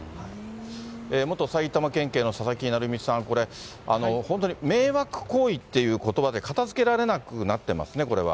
元埼玉県警の佐々木成三さん、これ、本当に迷惑行為っていうことばで片づけられなくなってますね、これは。